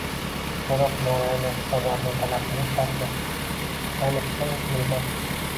To‘liq moliyaviy hisobotni talab qilish shart emas, ayniqsa o‘smirdan.